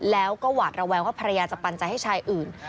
แล้วก็หวาดระแวงว่าภรรยาจะปันใจให้ชายอื่น